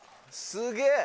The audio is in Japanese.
すげえ。